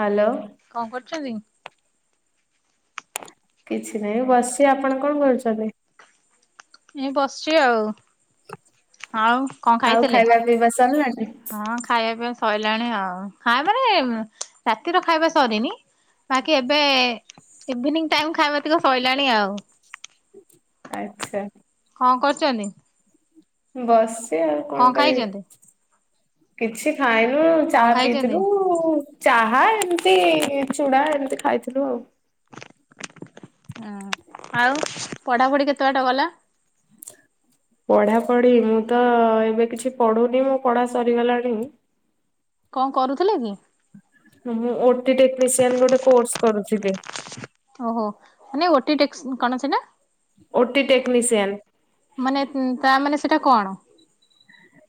Hello. କଣ କରୁଚନ୍ତି। କିଛି ନାଇଁ ବସ୍ଚି ଆପଣ କଣ କରୁଚନ୍ତି। ଏଇ ବସ୍ଚି ଆଉ ଆଉ କଣ ଆଉ ଖାଇଥିଲେ? ଖାଇବା ପିଇବା ସରିଲାଣି। ହଁ ଖାଇବା ପିଇବା ସଇଲାଣି ଆଉ ଖାଇ ମାନେ ରାତିର ଖାଇବା ସରିନି। ବାକି ଏବେ ଇଭିନିଂ ଟାଇମ ଖାଇବା ଟିକ ଶଇଲାଣି ଆଉ। ଆଚ୍ଛା। କଣ କରୁଛନ୍ତି। ବସିଚ୍ ଆଉ କଣ କରିବି କିଛି ଖାଇନୁ କଣ ଚାହା ଖାଇଛନ୍ତି? ପିଇଥିଲୁ ଚାହା ଏମିତି ଚୁଡ଼ା ଏମିତି ଖାଇଥିଲୁ ଆଉ। ଅଁ ଆଉ ପଢ଼ାପଢ଼ି କେତେ ବାଟ ଗଲା। ପଢା ପଢି ମୁଁ ତ ଏବେ କିଛି ପଢୁନି ମୋ ପଢା ସରିଗଲାଣି। କଣ କରୁଥିଲ କି? ମୁଁ ହୁ ଓଟି ଟେକ୍ନିସିଆନ୍ ଗୋଟେ କୋର୍ସ କରୁଥିଲି। ଓହୋ ମାନେ ଓଟି ଟେକ୍ସ କଣ ଅ ସେଟା। OT technician! ମାନେ ତା ମାନେ ସେଇଟା କଣ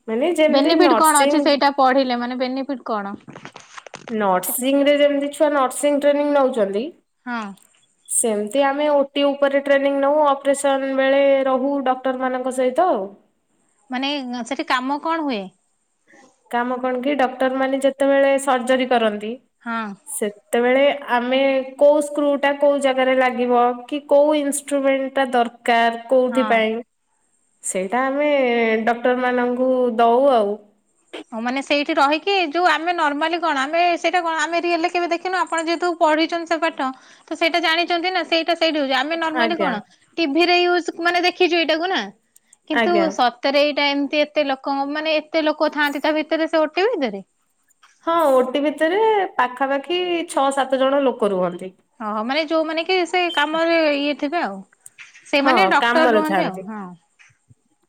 ମାନେ ଯେମିତି ବେନିଫିଟ କଣ ନର୍ସିଂ ଅଛି ସେଇଟା ପଢିଲେ ମାନେ ବେନିଫିଟ୍ କଣ। ନର୍ସିଂରେ ଯେମତି ଛୁଆ ନର୍ସିଂ ଟ୍ରେନିଂ ନେଉଛନ୍ତି ହଁ। ସେମିତି ଆମେ ଓଟି ଉପରେ ଟ୍ରେନିଂ ନେଉ ଅପରେସନ୍ ବେଳେ ରହୁ ଡକ୍ଟରମାନଙ୍କ ସହିତ ଆଉ। ମାନେ ଗ ସେଠି କାମ କଣ ହୁଏ। କାମ କଣ କି ଡକ୍ଟର ମାନେ ଯେତେବେଳେ ସର୍ଜରୀ କରନ୍ତି ହଁ। ସେତେବେଳେ ଆମେ କୋଉ ସ୍କ୍ରୁ ଟା କୋଉ ଜାଗାରେ ଲାଗିବ କି କୋଉ ଇନସ୍ ଷ୍ଟ୍ରୁ ମେଣ୍ଟଟା ଦରକାର କୋଉଥି ପାଇଁ ହଁ ସେଇଟା ଆମେ ଡକ୍ଟର ମାନଙ୍କୁ ଦଉ ଆଉ। ହ ମାନେ ସେଇଠି ରହିକି ଯୋଉ ଆମେ ନର୍ମାଲି କଣ ଆମେ ସେଇଟା କଣ ଆମେ ରିଏଲରେ କେବେ ଦେଖିନୁ ଆପଣ ଯେହେତୁ ପଢିଛନ୍ତି ସେ ପାଠ ତ ସେଇଟା ଜାଣିଛନ୍ତି ନା ସେଇ ତ ସେଇ ଯୋଉ ଆମେ ନାର୍ମଲି ଆଜ୍ଞା କଣ ଟିଭିରେ ଏଇ ସୂ ମାନେ ଦେଖିଛୁ ଏଇଟାକୁ ନା କିନ୍ତୁ ଆଜ୍ଞା ସ ତରେ ଏଇଟା ଏମିତି ଏତେ ଲୋକ ମାନେ ଏତେ ଲୋକ ଥାଆନ୍ତି ତା ଭିତରେ ସେ ଓଟି ଭିତରେ। ହଁ ଓଟି ଭିତରେ ପାଖାପାଖି ଛଅ ସାତ ଜଣ ଲୋକ ରୁହନ୍ତି। ହଁ ମାନେ ଯୋଉମାନେ କି ସେ କାମରେ ଇଏ ଥିବେ ଆଉ। ସେମାନେ ଡକ୍ଟର ରୁହନ୍ତି ଆଉ ହଁ!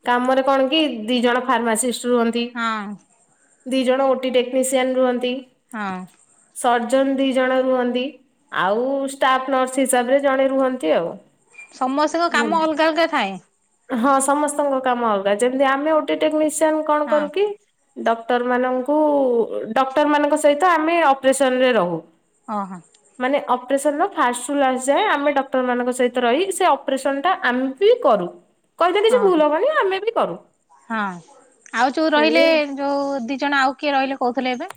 ତମର କଣ କି ଦି ଜଣ ଫାର୍ମାସିଷ୍ଟ ରୁହନ୍ତି। ହଁ ଦି ଜଣ ଓଟି ଟେକ୍ନିସିଆନ ରୁହନ୍ତି। ହଁ! ସର୍ଜନ ଦି ଜଣ ରୁହନ୍ତି। ଆଉ ଷ୍ଟାଫ୍ ନର୍ସ ହିସାବରେ ଜଣେ ରୁହନ୍ତି ଆଉ। ସମସ୍ତଙ୍କ କାମ ମାନେ ଅଲଗା ଅଲଗା ଥାଏ। ହଁ ସମସ୍ତଙ୍କ କାମ ଅଲଗା ଯେମିତି ଆମେ ଅଟି ଟେକ୍ନିସିଆନ କଣ ହଁ କରୁ କି ଡକ୍ଟର ମାନଙ୍କୁ ଡକ୍ଟର ମାନଙ୍କ ସହିତ ଆମେ ଅପରେସନରେ ରହୁ। ଅ ହଁ। ମାନେ ଅପରେସନର ଫାଷ୍ଟ ରୁ ଲାଷ୍ଟ ଯାଏଁ ଆମେ ଡକ୍ଟରମାନଙ୍କ ସହିତ ରହି ସେ ଅପରେସନ୍ଟା ଆମେ ବି କରୁ। କହିଦେଲେ ଯେ ଓହୋ ଭୁଲ ହବନି ଆମେ ବି କରୁ। ହଁ ଆଉ ଯୋଉ ହେଲେ ରହିଲେ ଯୋଉ ଦି ଜଣ ଆଉ କିଏ ରହିଲେ କହୁଥିଲେ ଏବେ।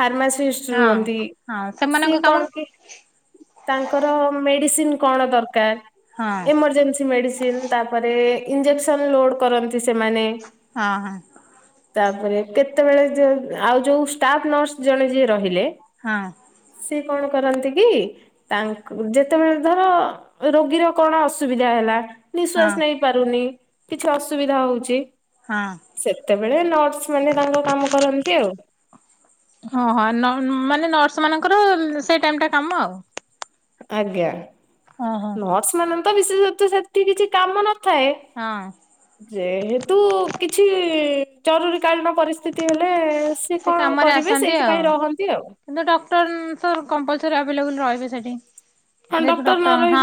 ଫାର୍ମାସିଷ୍ଟ ହଁ। ରୁହନ୍ତି ହଁ ସିଏ ସେମାନଙ୍କ କାମ କଣ କି ତାଙ୍କର ମେଡିସିନ କଣ ହଁ ଦରକାର ଏମରଜେନ୍ସି ମେଡିସିନ ତାପରେ ଇଞ୍ଜେକ୍ସନ ଲୋଡ କରନ୍ତି ସେମାନେ। ହଁ ହଁ ତାପରେ କେତେବେଳେ ଯୋଉ ଆଉ ଯୋଉ ଷ୍ଟାଫ ନର୍ସ ଜଣେ ଯିଏ ରହିଲେ। ହଁ। ସିଏ କଣ କରନ୍ତି କି ତାଙ୍କୁ ଯେତେବେଳେ ଧର ରୋଗୀର କଣ ଅସୁବିଧା ହେଲା ହଁ ନିଶ୍ଵାସ ନେଇ ପାରୁନି କିଛି ଅସୁବିଧା ହଉଚି ହଁ! ସେତେବେଳେ ନର୍ସ ମାନେ ତାଙ୍କ କାମ କରନ୍ତି ଆଉ! ହଁ ହଁ ନ ଅ ମାନେ ନର୍ସ ମାନଙ୍କର ସେ ଟାଇମ ଟା କାମ ଆଉ। ଆଜ୍ଞା ଓହୋ। ନର୍ସ ମାନ ତ ବିଶେଷ ସେଠି କିଛି କାମ ନଥାଏ। ହଁ। ଯେହେତୁ କିଛି ଜରୁରୀ କାଳୀନ ପରିସ୍ଥିତି ହେଲେ। ସେ କଣ କାମରେ କରିବେ ଆସନ୍ତି ଆଉ। ସେଇଥିପାଇଁ ରହନ୍ତି ଆଉ। କିନ୍ତୁ ଡକ୍ଟର ତ କମ୍ପଲସରି ଆଭେଲେବୁଲ ରହିବେ ସେଠି। ଯେହେତୁ ଡକ୍ଟର ହଁ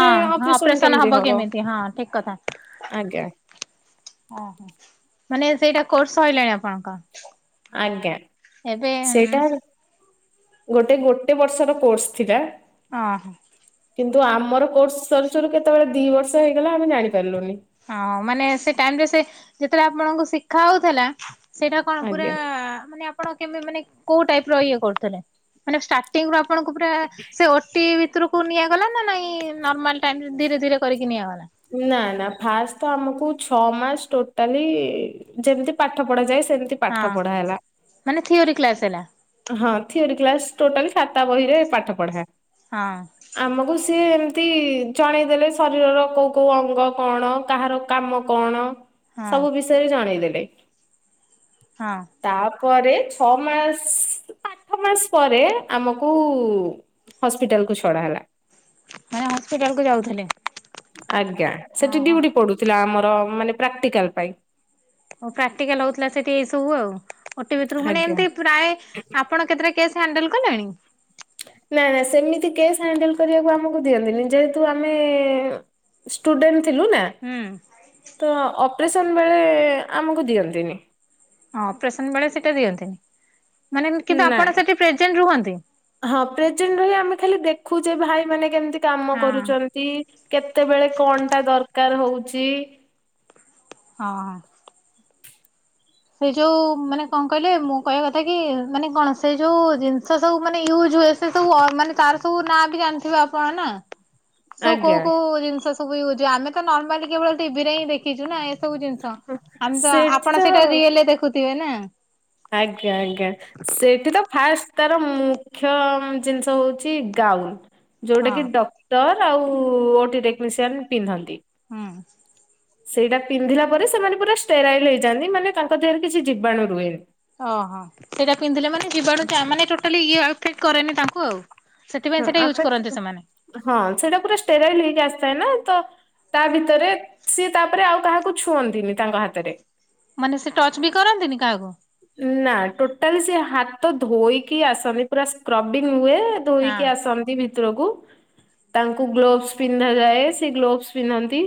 ଅପରେସନ ହବ କେମିତି ହଁ ଠିକ କଥା। ଆଜ୍ଞା ଓହୋ ମାନେ ସେଇଟା କୋର୍ସ ହେଇିଲାଣି ଆପଣଙ୍କ? ଆଜ୍ଞା ଏବେ ସେଇଟା ଗୋଟେ ଗୋଟେ ବର୍ଷର କୋର୍ସ ଥିଲା। ହଁ। କିନ୍ତୁ ଆମର କୋର୍ସ ସରୁ ସରୁ କେତେବେଳେ ଦି ବର୍ଷ ହେଇଗଲା ଆମେ ଜାଣିପାରିଲୁନି। ହଁ ମାନେ ସେ ଟାଇମରେ ସେ ଯେତେବେଳେ ଆପଣଙ୍କୁ ଶିଖା ହଉଥିଲା ସେଇଟା କଣ ପୁରା ଆଜ୍ଞା ମାନେ ଆପଣ କେ ମାନେ କୋଉ ଟାଇପର ଇଏ କରୁଥିଲେ ମାନେ ଷ୍ଟା ଟିଂ ଆପଣଙ୍କୁ ପୁରା ସେ ଓଟି ଭିତକୁ ନିଆଗଲା ନା ନାଇଁ ନର୍ମାଲ ଟାଇମରେ ଧୀରେଧୀରେ କରିକି ନିଆଗଲା। ନା ନା ଫାଷ୍ଟ ତ ଆମକୁ ଛଅ ମାସ ଟୋଟାଲି ଯେମିତି ପାଠ ପଢା ଯାଏ ସେମିତି ପାଠ ହଁ ପଢା ହେଲା। ମାନେ ଥିଓରି କ୍ଲାସ ହେଲା ହଁ ଥିଓରି କ୍ଲାସ୍ ଟୋଟାଲି ଖାତା ବହିରେ ପାଠ ପଢ଼ା। ହଁ। ଆମକୁ ସିଏ ଏମତି ଜଣେଇ ଦେଲେ ଶରୀରର କୋଉ କୋଉ ଅଙ୍ଗ କଣ କାହାର କାମ କଣ ହଁ ସବୁ ବିଷୟରେ ଜଣେଇଦେଲେ। ହଁ। ତାପରେ ଛଅ ମାସ ଆଠ ମାସ ପରେ ଆମକୁ ହସ୍ପିଟାଲ କୁ ଛଡା ହେଲା। ମାନେ ହସ୍ପିଟାଲ କୁ ଯାଉଥିଲେ। ଆଜ୍ଞା ସେଠି ଓହୋ। ଡିଉଟି ପଡୁଥିଲା ଆମର ମାନେ ପ୍ରାକ୍ଟିକାଲ ପାଇଁ। ପ୍ରାକ୍ଟିକାଲ ହଉଥିଲା ସେଠି ଏଇ ସବୁ ଆଉ ଓଟି ଭିତରକୁ ଆଜ୍ଞା। ଏମତି ପ୍ରାୟ ଆପଣ କେତେଟା କେସ୍ ହ୍ୟାଣ୍ଡେଲ କଲେଣି? ନାଇ ନା ସେମିତି କେସ୍ ହ୍ୟାଣ୍ଡଲ କରିବାକୁ ଆମକୁ ଦିଅନ୍ତିନି ଯେହେତୁ ଆମେ ଷ୍ଟୁଡେଣ୍ଟ ଥିଲୁ ନା। ହୁଁ। ତ ଅପରେସନ୍ ବେଳେ ଆମକୁ ଦିଅନ୍ତିନି। ହଁ ଅପରେସନ ବେଳେ ସେଇଟା ଦିଅନ୍ତିନି ମାନେ କିନ୍ତୁ ନା ଆପଣ ସେଠି ପ୍ରେଜେଣ୍ଟ ରୁହନ୍ତି। ହଁ ପ୍ରେଜେଣ୍ଟ ରହି ଆମେ ଖାଲି ଦେଖୁଯେ ଭାଇ ମାନେ କେମିତି କାମ ହଁ। କରୁଛନ୍ତି କେତେବେଳେ କଣ ଟା ଦରକାର ହଉଛି। ହଁ। ସେଇ ଯୋଉ ମାନେ କଣ କହିଲେ ମୁଁ କହିବା କଥା କି ମାନେ କଣ ସେ ଯୋଉ ଜିନିଷ ସବୁ ମାନେ ୟୁଜ ହୁଏ। ସେ ସବୁ ମାନେ ତାର ସବୁ ନାଁ ବି ଜାଣିଥିବେ ଆପଣ ନା। ସବୁ ଆଜ୍ଞା। କୋଉ କୋଉ ଜିନିଷ ସବୁ ୟୁଜ ହୁଏ ଆମେ ତ ନର୍ମାଲି କେବଳ ଟିଭିରେ ହିଁ ଦେଖିଛୁ ନା। ସବୁ ଜିନିଷ ଆମେ ତ ସେଠି ଆପଣ ତ ସେଇଟା ରିଏଲରେ ଦେଖୁଥିବେ ନା। ଆଜ୍ଞା ଆଜ୍ଞା। ସେଠି ତ ଫାଷ୍ଟ ତାର ମୁଖ୍ୟ ଜିନିଷ ହଉଛି ଗାଉନ। ଯୋଉଟା ହଁ କିି ଡକ୍ଟର ଆଉ ଓଟି ଟେକ୍ନିସିଆନ ପିନ୍ଧନ୍ତି। ହୁଁ। ସେଇଟା ପିନ୍ଧିଲା ପରେ ସେମାନେ ପୁରା ଷ୍ଟେରାଇଲ ହେଇଯାନ୍ତି ମାନେ ତାଙ୍କ ଦେହରେ କିଛି ଜୀବାଣୁ ରୁହେନି। ଓହୋ ସେଇଟା ପିନ୍ଧିଲେ ମାନେ ଜୀବାଣୁ ଯ ମାନେ ଟୋଟାଲି ମାନେ ଅଫେକ୍ଟ କରେନି ତାଙ୍କୁ ଆଉ। ହଁ ସେଥିପାଇଁ ସେଇଟା ୟୁଜ୍ ଆପେ କରନ୍ତି ସେମାନେ। ହଁ ସେଇଟା ପୁରା ଷ୍ଟେରାଇଲ ହେଇକି ଆସିଥାଏ ନା ତ ତା ଭିତରେ ସିଏ ତାପରେ ଆଉ କାହାକୁ ଛୁଅନ୍ତିନି ତାଙ୍କ ହାତରେ। ମାନେ ସେ ଟଚ ବି କରନ୍ତିନି କାହାକୁ। ନା ଟୋଟାଲି ସେ ହାତ ଧୋଇକି ଆସନ୍ତି ପୁରା ସ୍କ୍ରବିଂ ହୁଏ। ଧୋଇକି ହଁ ଆସନ୍ତି ଭିତୀ ତ ରକୁ ତାଙ୍କୁ ଗ୍ଲୋଭସ ପିନ୍ଧା ଯାଏ ସେ ଗ୍ଲୋଭସ ପିନ୍ଧନ୍ତି।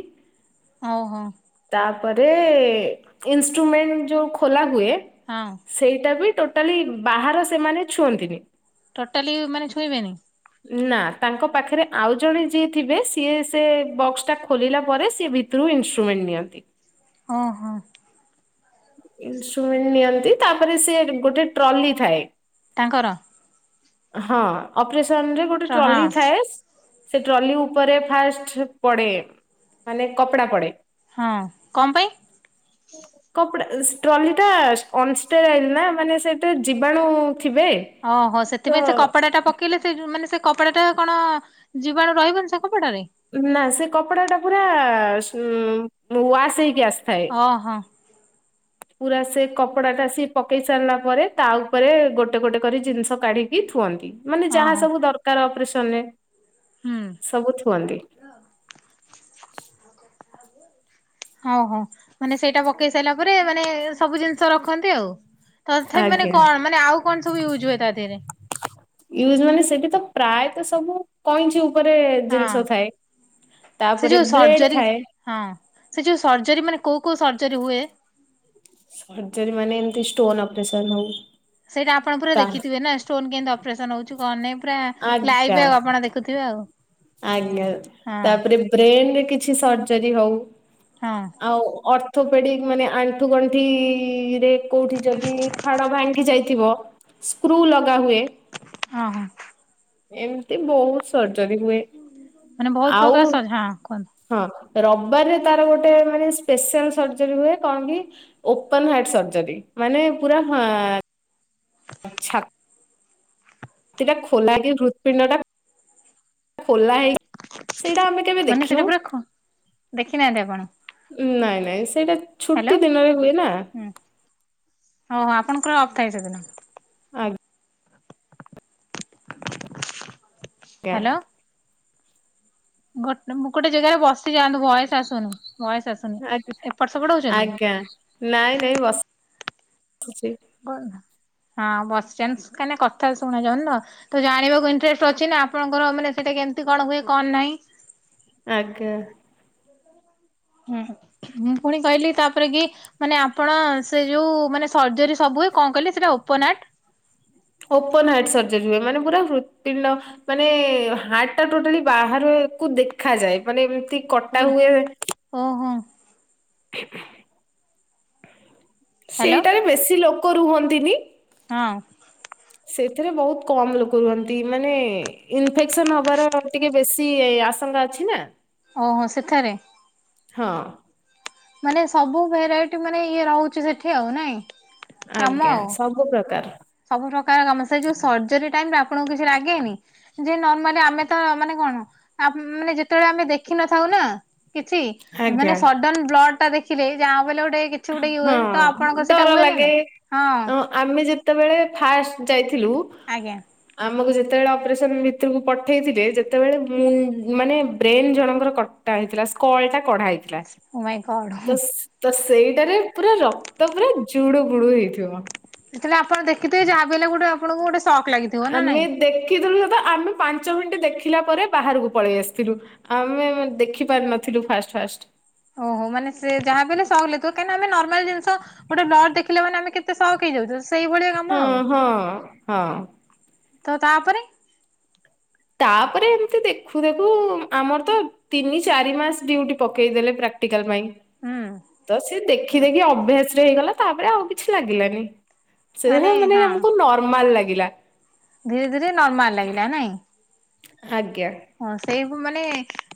ଓହୋ। ତାପରେ ଇନଷ୍ଟ୍ରୁମେଣ୍ଟ ଯୋଉଁ ଖୋଲା ହୁଏ ହଁ। ସେଇଟା ବି ଟୋଟାଲି ବାହାର ସେମାନେ ଛୁଅନ୍ତିନି। ଟୋଟାଲି ମାନେ ଛୁଇଁବେନି। ନା ତାଙ୍କ ପାଖରେ ଆଉ ଜଣେ ଯିଏ ଥିବେ ସିଏ ସେ ବକ୍ସ ଟା ଖୋଲିଲା ପରେ ସିଏ ଭୀ ତୀରୁ ଇନ୍ଷ୍ଟ୍ରୁମେଣ୍ଟ ନିଅନ୍ତି। ହଁ ହଁ। ଇଷ୍ଟ୍ରୁମେଣ୍ଟ ନିଅନ୍ତି ତାପରେ ସେ ଗୋଟେ ଟ୍ରଲି ଥାଏ। ତାଙ୍କର ହଁ ଅପରେସନ ରେ ଗୋଟେ ଟ୍ର ହଁ ଟ୍ରଲି ଥାଏ। ସେ ଟ୍ରଲି ଉପରେ ଫାଷ୍ଟ ପଡ଼େ ମାନେ କପଡ଼ା ପଡ଼େ। ହଁ କଣ ପାଇଁ? କପଡ଼ା ଷ୍ଟଲି ଟା ଅନଷ୍ଟେରାଇଲ ନା ମାନେ ସେଇଟା ଜୀବାଣୁ ଥିବେ। ଓହୋ ତ ସେଥିପାଇଁ ସେ କପଡା ଟା ପ ପକିଲେ ସେ ଯୁ ମାନେ ସେ କପଡା ଟା କଣ ଜୀବାଣୁ ରହିବନି ସେ କପଡାରେ? ନା ସେ କପଡା ଟା ପୁରା ଶୁ ୱାସ ହେଇକି ଆସିଥାଏ। ଓହୋ ପୁରା ସେ କପଡା ଟା ସିଏ ପକେଇ ସାରିଲା ପରେ ତା ଉପରେ ଗୋଟେ ଗୋଟେ କରି ଜିନିଷ କାଢିକି ଥୁଅନ୍ତି। ମାନେ ଯାହା ଓହୋ ସବୁ ଦରକାର ଅପରେସନ ରେ ହୁଁ ସବୁ ଥୁଅନ୍ତି। ଆବୁ ହଁ ହଉ ମାନେ ସେଇଟା ପକେଇ ସାରିଲା ପରେ ମାନେ ସବୁ ଜିନିଷ ରଖନ୍ତି ଆଉ। ତଥାପ ମାନେ ଆଜ୍ଞା। କଣ ମାନେ ଆଉ କଣ ସବୁ ୟୁଜ୍ ହୁଏ ତା ଦେହରେ? ୟଜ ମାନେ ସେଠି ତ ପ୍ରାୟତ ସବୁ କଇଁଛି ଉ ଉପରେ ହଁ। ଜିନିଷ ଥାଏ ସେ ତାପରେ ଯୋଉ ବ୍ଲେଡ ସର୍ଜରୀ ଥାଏ। ହଁ ସେ ଯୋଉ ସର୍ଜରୀ ମାନେ କୋଉ କୋଉ ସର୍ଜରୀ ହୁଏ? ସର୍ଜରୀ ମାନେ ଏମିତି ଷ୍ଟୋନ ଅପରେସନ ହଉ ସେଇଟା ଆପଣ ପୁର ତା ଦେଖିଥିବେ ନା ଷ୍ଟୋନ କେମୀତି ଅ ଅପରେସନ ହଉଛି କଣ ନାଇଁ ପୁରା ଆଜ୍ଞା ଲାଇଫି ଆଉ ଆପଣ ଦେଖୁଥିବେ ଆଉ। ଆଜ୍ଞା ହଁ ତାପରେ ବ୍ରେନରେ କିଛି ସର୍ଜରୀ ହଉ। ହଁ। ଆଉ ଅର୍ଥୋପେଡିକ ମାନେ ଆଣ୍ଠୁ ଗଣ୍ଠିରେ କୋଉଠି ଯଦି ହାଡ ଭାଙ୍ଗି ଯାଇଥିବ ସ୍କ୍ରୁ ଲଗା ହୁଏ। ଅ ହଁ। ଏମିତି ବହୁତ ସର୍ଜରୀ ହୁଏ। ମାନେ ବହୁତୁ ପ୍ରକାର ଆଉ ସଜ ହଁ କୁହନ୍ତୁ। ହଁ ରବିବାରରେ ତାର ଗୋଟେ ମାନେ ସ୍ପେଶାଲ ସର୍ଜରୀ ହୁଏ କଣ କି ଓପନ ହାର୍ଟ ସର୍ଜରୀ ମାନେ ପୁରା ହା ଛା ତିଟା ଖୋଲା କି ହୃଦପିଣ୍ଡ ଟା ଖୋଲା ହେଇ ମାନେ ସେଟା ପୁରା ଖ ଦେଖିନାହାନ୍ତି ଆପଣ? ନାଇଁ ନାଇଁ ସେଟା ହ୍ୟାଲୋ ହୁଁ ଓଃ ପଣଙ୍କର ଅଥାଇ ଯୋଜନା। ଆଗ୍ ଆଜ୍ଞା ହ୍ୟାଲୋ। ଗୋଟ ମୁଁ ଗୋଟେ ଜାଗାରେ ବସି ଯାଆନ୍ତୁ ଭୟସ ଆସୁନୁ ଭାୟସ ଆସୁନି ଆଜ୍ଞା ଏପଟ ସେପଟ ହଉଛନ୍ତି। ଆଜ୍ଞା ନାଇଁ ନାଇଁ ବସ ସିଛି କ ହଜବେଣ୍ଡେ ମାନେ କଥା ଶୁଣୁଛନ୍ତି ତ ତ ଜାଣିବାକୁ ଇଣ୍ଟରେଷ୍ଟ ଅଛି ନା ଆପଣଙ୍କ ମାନେ ସେଇଟା କେମିତି କଣ ହୁଏ କଣ ନାହିଁ ଆଜ୍ଞା ହୁଁ ମୁଁ ପୁଣି କହିଲି ତାପରେ କି ମାନେ ଆପଣ ସେ ଯୋଉ ମାନେ ସର୍ଜରୀ ସବୁ ହୁଏ କଣ କହିଲେ ସେଟା ଓପନଟ ଓପନ ହାର୍ଟ ସର୍ଜରୀ ହୁଏ ମାନେ ପୁରା ମାନେ ହାର୍ଟ ଟା ଟୋଟାଲି ବାହାରକୁ ଦେଖାଯାଏ ମାନେ କେମିତି କଟା ପୁରା ହୁଏ ଓହୋ [unintelligible] ହ୍ୟାଲୋ ସେଇଟାରେ ବେଶୀ ଲୋକ ରୁହନ୍ତିନି ହଁ ସେଥିରେ ବହୁତ କମ ଲୋକ ରୁହନ୍ତି ମାନେ ଇନଫେକ୍ସନ ହବାର ଟିକେ ବେଶୀ ଆଶଙ୍କା ଅଛି ନା ଓହୋ ସେଠାରେ ହଁ ମାନେ ସବୁ ଭେରାଇଟି ମାନେ ଇଏ ରହୁଛି ସେଠି ଆଉ ନାଇଁ କାମ ଆଜ୍ଞା ଆଉ। ସବୁ ପ୍ରକାର ସବୁ ପ୍ରକାର କାମ ସେ ଯୋଉ ସର୍ଜରୀ ଟାଇମରେ ଆପଣଙ୍କୁ କିଛି ଲାଗେନି ଯେ ନର୍ମାଲି ଆମେ ତ ମାନେ କଣ ମାନେ ଯେତେବେଳେ ଆମେ ଦେଖିନଥାଉ ନା କିଛି ଆଜ୍ଞା ମାନେ ସଡନ ବ୍ଲଟ ଟା ଦେଖିଲେ ଯାହା ବଲେ ଗୋଟେ କିଛି ଗୋଟେ ହୁଏ ହଁ ତ ଆପଣଙ୍କ ସେଇଟା ଡର ହୁଏ ନା ଲାଗେ ନାହଁ ଅ ଆମେ ଯେତେବେଳେ ଫାଷ୍ଟ ଯାଇଥିଲୁ ଆଜ୍ଞା ଆମକୁ ଯେତେବେଳେ ଅପରେସନ ଭିତରକୁ ପଠେଇଥିବେ ଯେତେବେଳେ ମୁ ମାନେ ବ୍ରେନ ଜଣଙ୍କର- ହେଥିଲା ସ୍ଲ ଟା କଢା ହେଇଥିଲା ଓ ମାଇଁ ଗଡ୍। ତ ସେଇ ଏଟାରେ ପୁରା ରକ୍ତ ପୁରା ଜୁଡୁ ବୁଡୁ ହେଇଥିବ ତାହେଲେ ଆପଣ ଦେଖଥିବେ ଯାହା ହେଲେ ଗୋଟେ ଆପଣଙ୍କୁ ଗୋଟେ ଶକ୍ ଲାଗେ ଆମେ ଦେଖିଥିଲୁ ତ ଆମେ ପାଞ୍ଚ ମିନିଟ ଦେଖିଲା ପରେ ବାହାରକୁ ପଳେଇ ଆସିଥିଲୁ ଆମେ ଦେଖିପାରିନଥିଲୁ ଫାଷ୍ଟ ଫାଷ୍ଟ ଓହୋ ମାନେ ସେ ଯାହା ବଇଲେ ସହଥିବ କାହିଁକି ଆେ ନର୍ମାଲ ଜିନିଷ ଗୋଟେ ନ ଦେଖିଲା ମାନେମେତେ ସହକ ହେଇଯାଉଛୁ ସେଇଭଳିଆ କାମ ହଁ ଆଉ ହଁ ହଁ ତ ତାପରେ ତାପରେ ଏମିତି ଦେଖୁ ଦେଖୁ ଆମର ତ ତିନି ଚାରି ମାସ ଡିଉଟି ପକେଇଦେଲେ ପ୍ରାକ୍ଟିକାଲ ପାଇଁ ହୁଁ ତ ସେ ଦେଖି ଦେଖି ଅଭ୍ୟାସ ରେ ହେଇଗଲା ତାପରେ ଆଉ କିଛି ଲାଗିଲାନି ସେ ମାନେ ଆମକୁ ନର୍ମାଲ ଲାଗିଲା ଧୀରେ ଧୀରେ ନର୍ମାଲ ଲାଗିଲା ନାଇଁ ଆଜ୍ଞା ହଁ ସେଇବୁ ମାନେ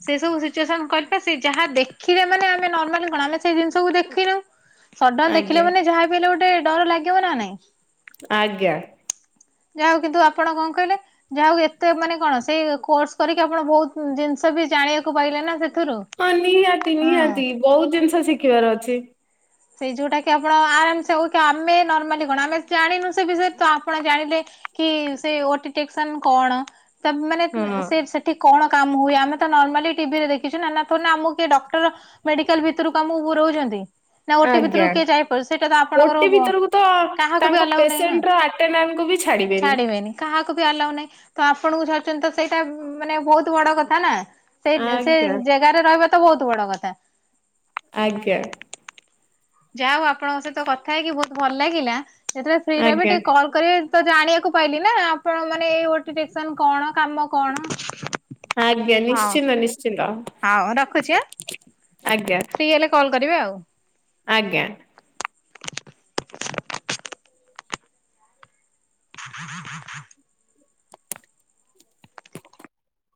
ସେ ସବୁ ସିଚୁଏସନ କରେ ସେ ଯାହା ଦେଖିଲେ ମାନେ ଆମେ ନର୍ମାଲି କଣ ଆମେ ସେ ଜିନିଷକୁୁ ଦେଖିନୁ ହଠାତ୍ ଆଜ୍ଞା। ଦେଖିଲେ ମାନେ ଯାହା ବିି ହେଲେ ଗୋଟେ ଡର ଲାଗିବ ନା ନାଇଁ ଆଜ୍ଞା ଯାହା କିନ୍ତୁ ଆପଣ କଣ କହିଲେ ଯାହା ଏତେ ମାନେ କଣ ସେଇ କୋର୍ସ କରିକି ଆପଣ ବହୁତ ଜିନିଷ ବି ଜାଣିବାକୁ ପାଇଲେ ନା ସେଥିରୁ ହଁ ନିହାତି ହଁ। ନିହାତି ବହୁ ଜିନିଷ ଶିଖିବାର ଅଛି। ସେଇ ଯୋଉଟା କି ଆପଣ ଆରାମ ସେ ହଉ କି ଆମେ ନର୍ମାଲି କଣ ଆମେ ଜାଣିନୁ ସେ ବିଷୟରେ ତ ଆପଣ ଜାଣିଲେ କି ସେ ନୋଟିଫିକେଶନ କଣ ମାନେ ହଁ ସେ ସେଠି କଣ କାମ ହୁଏ ଆମେ ତ ନର୍ମାଲି ଟିଭି ରେ ଦେଖଛୁ ନା ନାଥ ଆମକୁ କିଏ ଡକ୍ଟର ମେଡିକାଲ ଭିତରୁକୁ ତମକୁ ପୁରଉଛନ୍ତି? ନା ଓଟି ଆଜ୍ଞା ଭିତରକୁ କିଏ ଯାଇପାରୁଛି ସେଇଟା ତ ଆପଣଙ୍କର ଓଟି ଭିତରକୁ ତ କାହାକୁ ବି ତାଙ୍କ ଆଲାଉ ନାହିଁ ନା। ପେସେଣ୍ଟ ର- ଟ କୁ ବି ଛାଡିବେନି। କାହାକୁ ବି ଆଲାଉ ନାହିଁ ତ ଆପଣଙ୍କୁ ଛନ୍ତି ତ ସେଇଟା ମାନେ ବହୁତ ବଡ କଥା ନା। ସେଇ ଆଜ୍ଞା ସେଇ ଜାଗାରେ ରହିବା ତ ବହୁତ ବଡ କଥା। ଆଜ୍ଞା। ଯାହା ହଉ ଆପଣଙ୍କ ସହିତ କଥା ହେଇକି ବହୁତ ଭଲ ଲାଗିଲା ଯେତେବେଳେ ଫ୍ରି ରହିବେ ଆଜ୍ଞା ଟିକେ କ କରିବ ତ ଜାଣିବାକୁ ପାଇଲି ନା ଆପଣ ମାନେ ଏଇ କଣ କାମ କଣ? ଆଜ୍ଞା ହଉ ନିଶ୍ଚିନ୍ତ ନିଶ୍ଚିନ୍ତ ହଉ ରଖୁଛି ଆଁ ଆଜ୍ଞା। ଫ୍ରି ହେଲେ କଲ୍ କରିବାେ ଆଉ। ଆଜ୍ଞା। [inaudible]